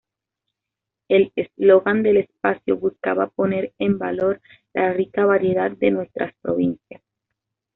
El eslogan del espacio buscaba poner en valor "la rica variedad de nuestras provincias".